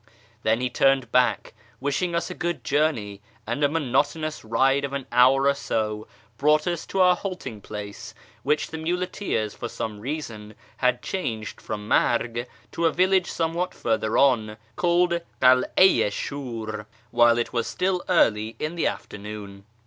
Then he turned back, wishing us a good journey ; and a monotonous ride of an hour or so brought us to our halting place (which the muleteers, for some reason, had changed from Marg to a village somewhat further on, called Kara i Shiir) while it was still early in the afternoon.